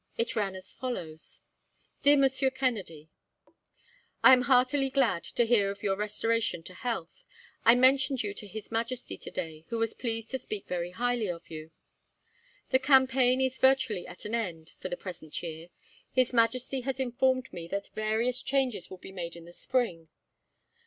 It ran as follows: Dear Monsieur Kennedy: I am heartily glad to hear of your restoration to health. I mentioned you to His Majesty today, who was pleased to speak very highly of you. The campaign is virtually at an end, for the present year. His Majesty has informed me that various changes will be made in the spring.